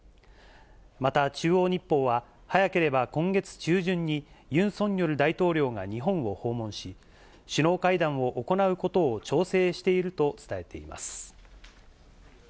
また、中央日報は、早ければ今月中旬に、ユン・ソンニョル大統領が日本を訪問し、首脳会談を行うことを調整していると伝えています。